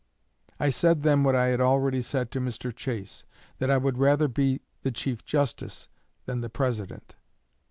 I said then what I had already said to Mr. Chase: that I would rather be the Chief Justice than the President.